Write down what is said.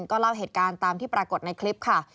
ก็เล่าเหตุการณ์ตามที่ปรากฏในคลิปค่ะ